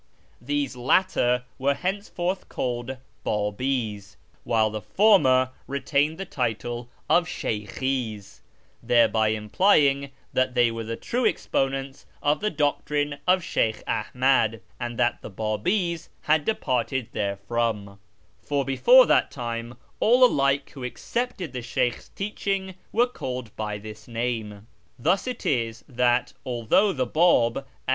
These latter were henceforth called Babis, I while the former retained the title of Sheykhis, thereby imply ing that they were the true exponents of the doctrine of Sheykh Ahmad, and that the Babis had departed therefrom ; for before I that time all alike who accepted the Sheykh's teaching were called by this name. Thus it is that, although the Bab and